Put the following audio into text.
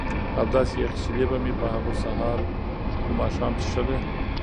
او داسې یخې شیدې به مې په هغو سهار و ماښام څښلې.